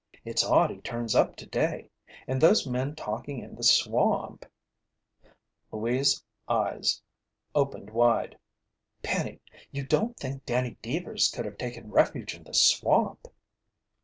It's odd he turns up today and those men talking in the swamp " Louise's eyes opened wide. "Penny, you don't think Danny Deevers could have taken refuge in the swamp!"